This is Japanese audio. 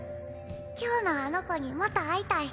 今日のあの子にまた会いたい。